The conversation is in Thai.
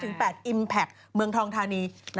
พอ๕ถึง๘อิมแพคเมืองทองธานี